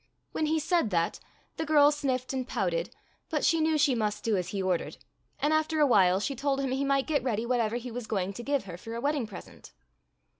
'' When he said that, the girl sniffed and pouted, but she knew she must do as he ordered, and after a while she told him he might get ready whatever he was going to give her for a wedding present.